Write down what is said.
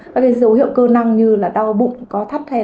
các dấu hiệu cơ năng như đau bụng có thắt hay ấm